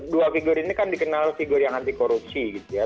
dua figur ini kan dikenal figur yang anti korupsi gitu ya